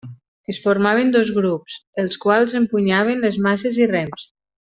Es formaven dos grups, els quals empunyaven les masses i rems.